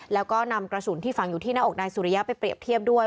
แล้วก็นำกระสุนที่ฝังอยู่ที่หน้าอกนายสุริยะไปเรียบเทียบด้วย